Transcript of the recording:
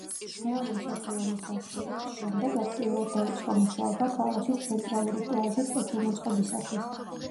მეორე მსოფლიო ომის დასრულების შემდეგ აქტიურად დაიწყო მუშაობა ქალაქის ცენტრალური პლაჟის კეთილმოწყობისათვის.